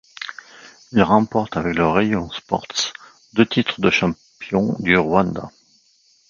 Il remporte avec le Rayon Sports, deux titres de champion du Rwanda.